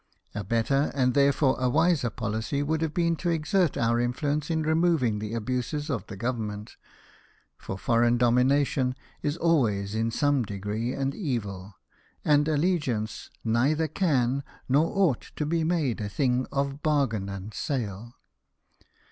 A better, and therefore a wiser policy, would have been to exert our influence in removing the abuses of the Government; for foreign dominion is always, in some degree, an evil, and allegiance neither can nor ought to be made a thing of bargain and sale.